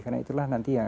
karena itulah nanti yang